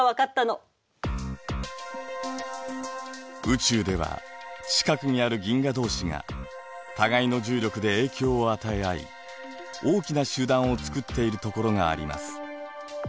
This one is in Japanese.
宇宙では近くにある銀河同士が互いの重力で影響を与え合い大きな集団を作っているところがあります。